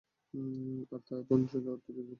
আর তার বোন ছিল অত্যধিক রূপসী।